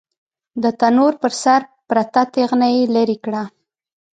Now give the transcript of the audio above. د تنور پر سر پرته تېغنه يې ليرې کړه.